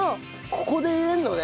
ここで入れるのね。